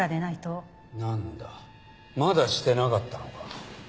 なんだまだしてなかったのか。